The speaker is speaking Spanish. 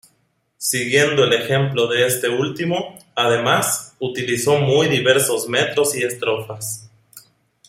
Siguiendo el ejemplo de este último, además, utilizó muy diversos metros y estrofas.